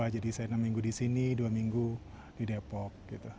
saya enam minggu di sini dua minggu di depok